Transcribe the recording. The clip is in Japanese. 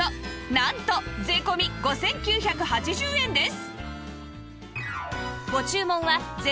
なんと税込５９８０円です！